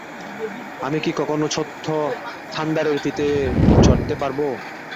আমি কি কখনো ছোট্ট থান্ডারের পিঠে চড়তে পারব?